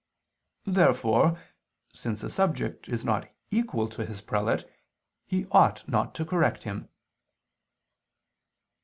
Therefore, since a subject is not equal to his prelate, he ought not to correct him.